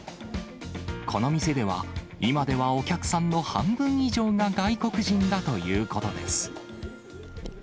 この店では、今ではお客さんの半分以上が外国人だということです。